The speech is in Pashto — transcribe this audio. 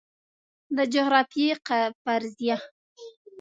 د جغرافیې فرضیه